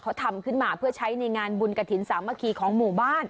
เขาทำขึ้นมาเพื่อใช้ในงานบุญกระถิ่นสามัคคีของหมู่บ้าน